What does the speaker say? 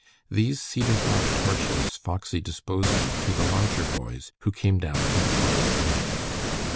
These cedar bark torches Foxy disposed of to the larger boys who came down to the pond at night.